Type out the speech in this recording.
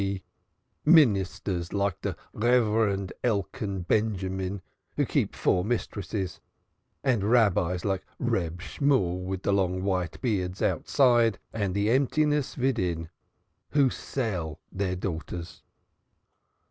P., ministers like the Reverend Elkan Benjamin who keep four mistresses, and Rabbis like Reb Shemuel vid long white beards outside and emptiness vidin who sell deir daughters."